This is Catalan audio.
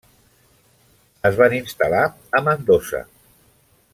Es van instal·lar a Mendoza.